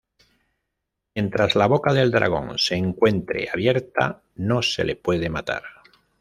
Mientras la boca del dragón se encuentre abierta no se le puede matar.